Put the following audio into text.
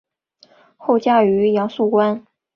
后嫁于杨肃观。